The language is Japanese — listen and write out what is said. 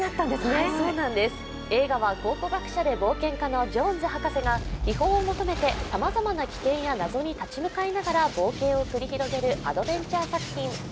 映画は考古学者で冒険家のジョーンズ博士が秘宝を求めてさまざまな危険や謎に立ち向かいながら冒険を繰り広げるアドベンチャー作品。